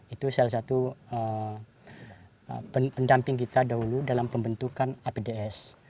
itu salah satu pendamping kita dahulu dalam pembentukan apds